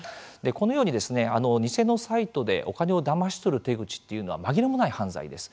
このように、偽のサイトでお金をだまし取る手口というのは紛れもない犯罪です。